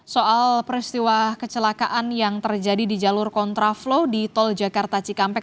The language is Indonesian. soal peristiwa kecelakaan yang terjadi di jalur kontraflow di tol jakarta cikampek